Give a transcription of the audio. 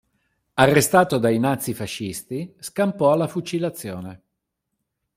Arrestato dai nazifascisti, scampò alla fucilazione.